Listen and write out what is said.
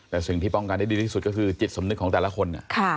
แต่สิ่งที่ป้องกันได้ดีที่สุดก็คือจิตสำนึกของแต่ละคน